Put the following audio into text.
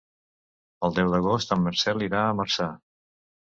El deu d'agost en Marcel irà a Marçà.